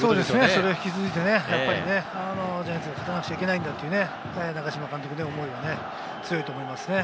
それに引き続いてジャイアンツは勝たなきゃいけないんだという長嶋監督の思いが強いと思いますね。